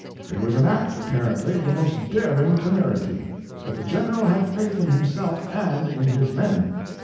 It was an act, apparently, of the most daring temerity, but the General had faith in himself and in his men.